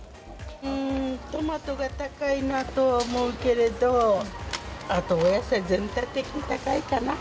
トマトが高いなとは思うけれど、あとお野菜全体的に高いかな。